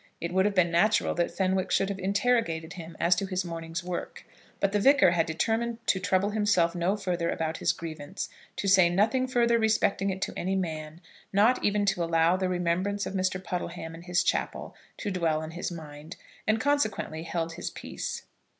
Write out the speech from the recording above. It would have been natural that Fenwick should have interrogated him as to his morning's work; but the Vicar had determined to trouble himself no further about his grievance, to say nothing further respecting it to any man, not even to allow the remembrance of Mr. Puddleham and his chapel to dwell in his mind; and consequently held his peace.